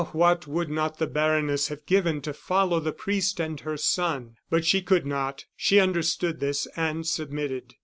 what would not the baroness have given to follow the priest and her son? But she could not; she understood this, and submitted.